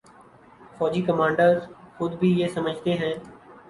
فوجی کمانڈر خود بھی یہ سمجھتے ہیں۔